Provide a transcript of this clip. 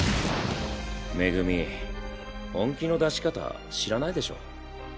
恵本気の出し方知らないでしょ？